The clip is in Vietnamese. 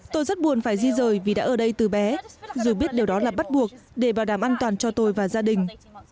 tôi rất buồn phải di rời vì đã ở đây từ bé rồi biết điều đó là bắt buộc để bảo đảm an toàn cho tôi và gia đình